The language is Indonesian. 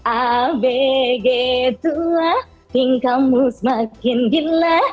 abg tua tingkammu semakin gila